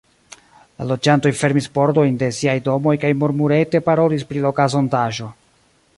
La loĝantoj fermis pordojn de siaj domoj kaj murmurete parolis pri la okazontaĵo.